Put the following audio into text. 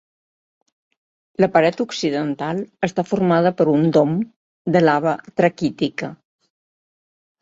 La paret occidental està formada per un dom de lava traquítica.